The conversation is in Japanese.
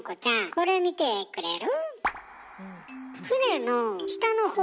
これ見てくれる？